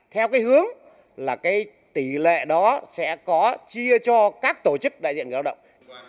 theo cái hướng là cái tỷ lệ đó sẽ có chia cho các tổ chức đại diện người lao động